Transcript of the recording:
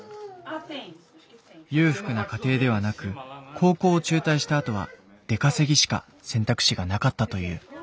裕福な家庭ではなく高校を中退したあとは出稼ぎしか選択肢がなかったという。